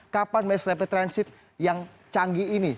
kapan mass rapid transit yang canggih ini